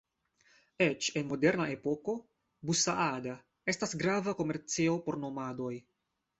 Eĉ en moderna epoko, Bu-Saada estas grava komercejo por nomadoj.